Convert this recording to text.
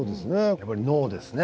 やっぱり脳ですね。